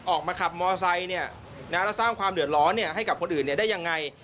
ออกมาขับมอไซค์แล้วสร้างความเดือดร้อนให้กับคนอื่นได้ยังไง